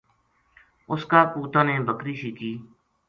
اس کا پُوتاں نے بکری شیکی